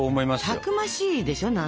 たくましいでしょ？